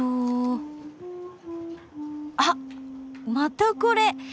・あっまたこれ！